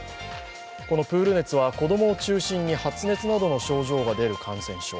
このプール熱は子供を中心に発熱などの症状が出る感染症。